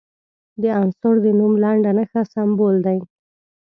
د عنصر د نوم لنډه نښه سمبول دی.